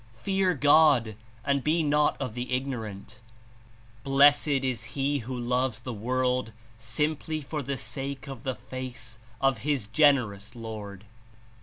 Fear God, and be not of the Ignorant. Blessed Is he who loves the world simply for the sake of the Face of his Generous Lord."